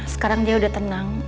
sekarang dia sudah tenang